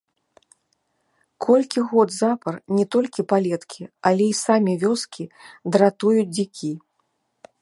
Колькі год запар не толькі палеткі, але і самі вёскі дратуюць дзікі.